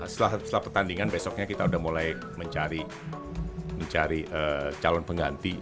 setelah pertandingan besoknya kita sudah mulai mencari calon pengganti